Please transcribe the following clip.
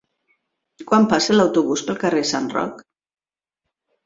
Quan passa l'autobús pel carrer Sant Roc?